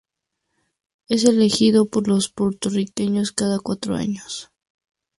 Es elegido por los puertorriqueños cada cuatro años.